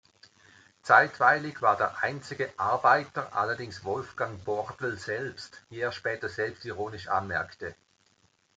Zeitweilig war der einzige „Arbeiter“ allerdings Wolfgang Bordel selbst, wie er später selbstironisch anmerkte.